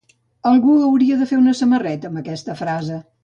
Algú hauria de fer una samarreta amb aquesta frase.